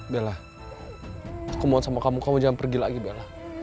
bella aku mohon sama kamu kamu jangan pergi lagi bella